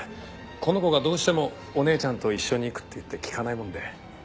この子がどうしてもお姉ちゃんと一緒に行くって言って聞かないもので。